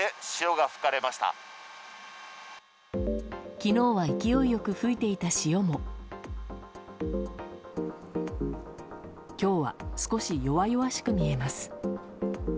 昨日は勢いよく吹いていた潮も今日は、少し弱々しく見えます。